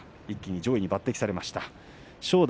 一気に上位に抜てきされました。